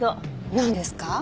なんですか？